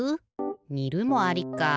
にるもありか。